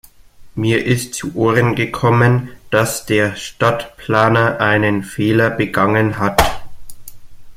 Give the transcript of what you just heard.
Mir ist zu Ohren gekommen, dass der Stadtplaner einen Fehler begangen hat.